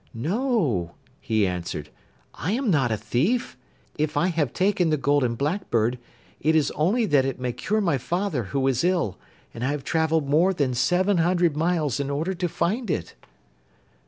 'No,' he answered, 'I am not a thief. If I have taken the Golden Blackbird, it is only that it may cure my father, who is ill, and I have travelled more than seven hundred miles in order to find it.